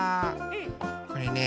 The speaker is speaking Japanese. これね